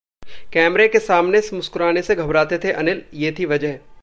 कैमरे के सामने मुस्कुराने से घबराते थे अनिल, ये थी वजह